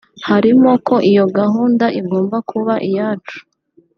Harimo ko iyo gahunda igomba kuba iyacu